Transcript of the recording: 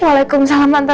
waalaikumsalam mbak andien